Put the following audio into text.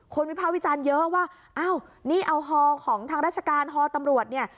คนวิพากษ์วิจารนี่เยอะวะอ้าวนี่เอาฮของทางราชการฮตำรวจเนี่ย